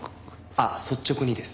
あっ「率直に」です。